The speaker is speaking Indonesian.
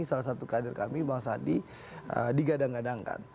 salah satu kader kami bang sandi digadang gadangkan